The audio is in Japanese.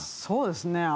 そうですね